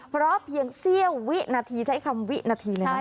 เพราะเพียงเสี้ยววินาทีใช้คำวินาทีเลยนะ